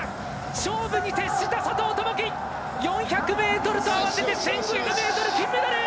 勝負に徹した佐藤友祈４００ｍと合わせて１５００ｍ金メダル！